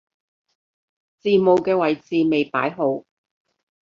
字母嘅位置未擺好